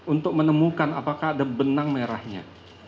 untuk menemukan apakah ada benang merahnya